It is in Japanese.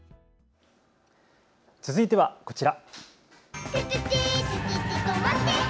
続いてはこちら。